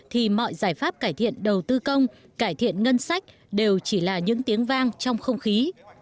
thì mọi giải pháp cải thiện đầu tư công cải thiện ngân sách đều chỉ là những tiếng vang trong không khí